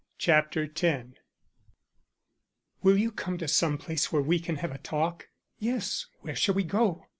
CHAPTER X "WILL you come to some place where we can have a talk?" "Yes. Where shall we go?"